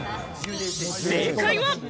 正解は。